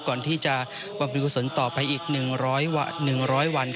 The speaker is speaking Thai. ก่อนที่จะบรรพิกุศลต่อไปอีก๑๐๐วัน